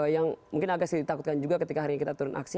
yang mungkin agak ditakutkan juga ketika hari ini kita turun aksi